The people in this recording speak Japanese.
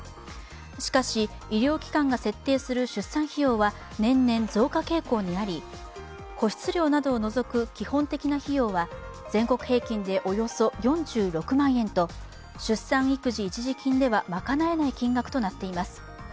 しかし、医療機関が設定する出産費用は年々増加傾向にあり、個室料などを除く基本的な費用は全国平均でおよそ４６万円と、出産育児一時金ではまかなえない金額となっています。